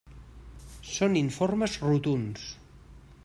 Són informes rotunds.